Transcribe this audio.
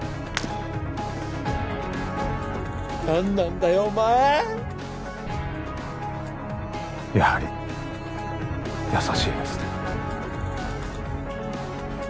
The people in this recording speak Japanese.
何なんだよお前やはり優しいですね